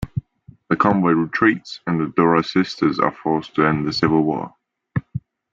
The convoy retreats, and the Duras Sisters are forced to end the civil war.